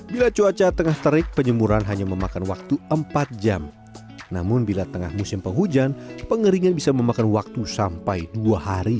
bila cuaca tengah terik penyemuran hanya memakan waktu empat jam namun bila tengah musim penghujan pengeringan bisa memakan waktu sampai dua hari